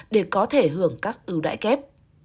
để có thể hưởng các ưu đại kép